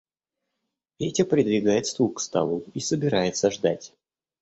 Петя придвигает стул к столу и собирается ждать.